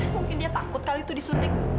mungkin dia takut kali itu disuntik